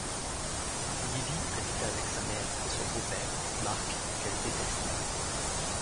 Lily habite avec sa mère et son beau-père, Mark, qu'elle déteste.